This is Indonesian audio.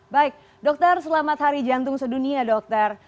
baik dokter selamat hari jantung sedunia dokter